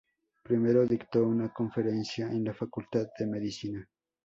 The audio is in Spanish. Primero dictó una conferencia en la Facultad de Medicina.